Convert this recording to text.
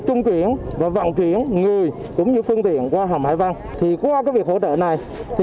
trung chuyển và vận chuyển người cũng như phương tiện qua hầm hải vân thì qua việc hỗ trợ này